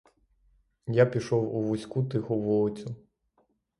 Я пішов у вузьку тиху вулицю.